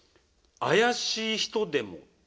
「あやしい人でも」。